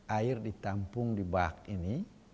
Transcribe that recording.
air ditampung di bak ini